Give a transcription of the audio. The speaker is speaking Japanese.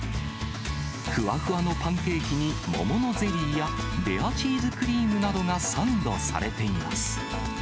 ふわふわのパンケーキに、桃のゼリーやレアチーズクリームなどがサンドされています。